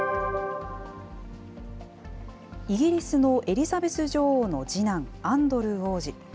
イギリスのエリザベス女王の次男、アンドルー王子。